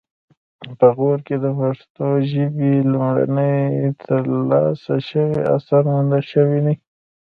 په غور کې د پښتو ژبې لومړنی ترلاسه شوی اثر موندل شوی دی